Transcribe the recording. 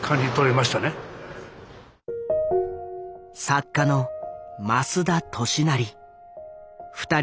作家の増田俊也。